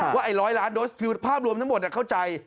ว่าไอ้๑๐๐ล้านโดสคือภาพรวมทั้งหมดเข้าใจ